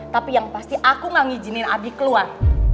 tapi yang pasti aku gak ngizinin abi keluar